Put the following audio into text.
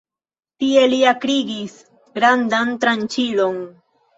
Tie li akrigis grandan tranĉilon.